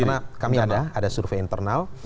karena kami ada ada survei internal